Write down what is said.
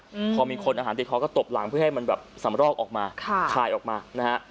อืมพอมีคนอาหารติดคอก็ตบหลังเพื่อให้มันแบบสำรอกออกมาค่ะถ่ายออกมานะฮะ